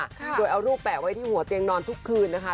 โดยเอารูปแปะไว้ที่หัวเตียงนอนทุกคืนนะคะ